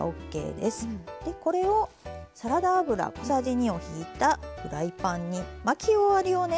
でこれをサラダ油小さじ２をひいたフライパンに巻き終わりをね